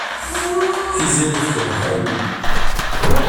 Tiziri tekṛeh Halloween.